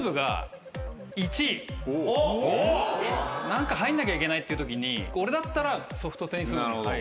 何か入んなきゃいけないっていうときに俺だったらソフトテニス部に入る。